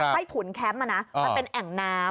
ไว้ถุนแคมป์เป็นแห่งน้ำ